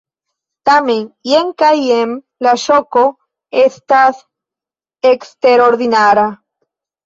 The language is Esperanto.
Tamen jen kaj jen la ŝoko estas eksterordinara.